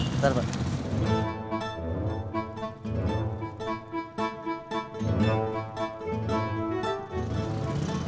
itu dollar mau ngajak